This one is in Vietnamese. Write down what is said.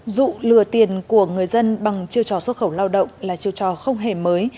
dụ lừa tiền của người dân bằng chiêu trò xuất khẩu lao động là chiêu trò không hề mới